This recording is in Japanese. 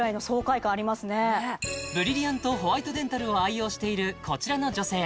ブリリアントホワイトデンタルを愛用しているこちらの女性